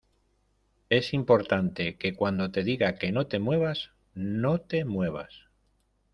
es importante que cuando te diga que no te muevas, no te muevas.